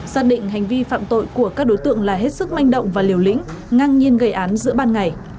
xác định hành vi phạm tội của các đối tượng là hết sức manh động và liều lĩnh ngang nhiên gây án giữa ban ngày